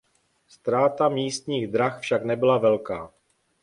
Ztráta místních drah však nebyla velká.